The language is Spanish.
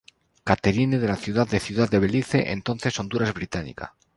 Catherine de la ciudad de Ciudad de Belice, entonces Honduras Británica.